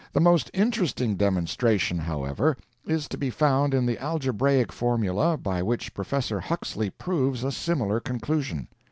The most interesting demonstration, however, is to be found in the algebraic formula by which Professor Huxley proves a similar conclusion.